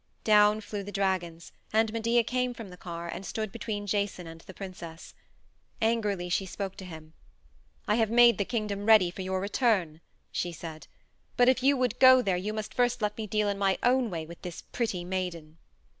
Down flew the dragons, and Medea came from the car and stood between Jason and the princess. Angrily she spoke to him. "I have made the kingdom ready for your return," she said, "but if you would go there you must first let me deal in my own way with this pretty maiden."